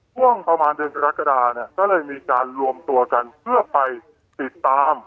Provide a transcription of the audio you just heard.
ช่วงประมาณเดือนกรกฎาเนี่ยก็เลยมีการรวมตัวกันเพื่อไปติดตาม